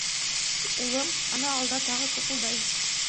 — Улым, ана алда тағы туҡылдай.